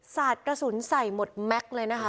สาดกระสุนใส่หมดแม็กซ์เลยนะคะ